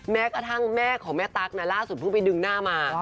แม้กระทั่งแม่ของแม่ตั๊กนะล่าสุดเพิ่งไปดึงหน้ามา